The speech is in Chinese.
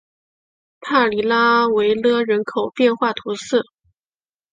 帕尼拉维勒人口变化图示